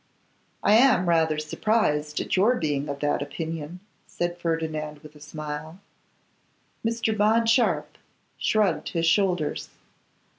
'I am rather surprised at your being of that opinion,' said Ferdinand, with a smile. Mr. Bond Sharpe shrugged his shoulders.